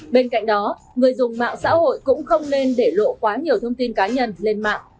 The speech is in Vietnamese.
bên cạnh đó người dùng mạng xã hội cũng không nên để lộ quá nhiều thông tin cá nhân lên mạng